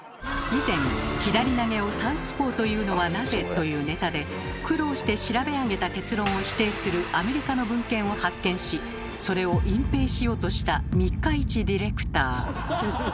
以前「左投げをサウスポーというのはなぜ？」というネタで苦労して調べ上げた結論を否定するアメリカの文献を発見しそれを隠蔽しようとした三日市ディレクター。